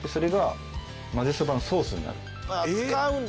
「ああ使うんだ」